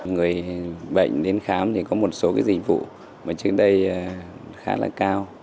người bệnh đến khám thì có một số cái dịch vụ mà trên đây khá là cao